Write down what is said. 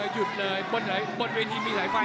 หยุดเลยบนเวทีมีสายไฟ